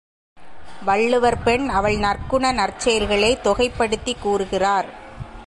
வள்ளுவர் பெண் அவள் நற்குண நற்செயல்களைத் தொகைப்படுத்திக் கூறுகிறார்.